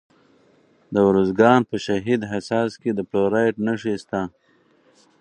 د ارزګان په شهید حساس کې د فلورایټ نښې شته.